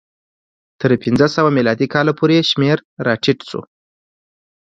تر پنځه سوه میلادي کاله پورې شمېر راټیټ شو.